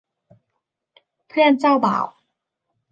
เพื่อนเจ้าบ่าว